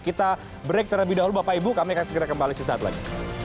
kita break terlebih dahulu bapak ibu kami akan segera kembali sesaat lagi